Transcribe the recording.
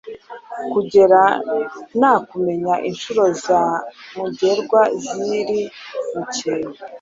kugera nukumenya unshuro za mugerwa ziri mukintu